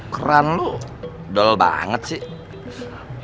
keren lo dol banget sih